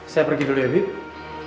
saya pergi dulu ya bibi